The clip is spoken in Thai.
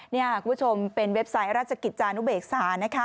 นี่คุณผู้ชมเป็นเว็บไซต์ราชกิจจานุเบกษา